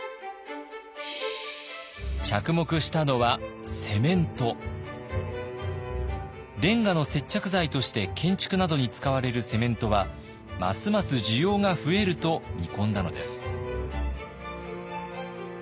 着目したのはレンガの接着剤として建築などに使われるセメントはますます需要が増えると見込んだのです。